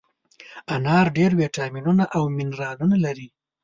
انار ډېر ویټامینونه او منرالونه لري.